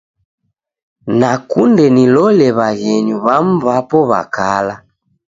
Nakunde nilole w'aghenyu w'amu w'apo w'a kala.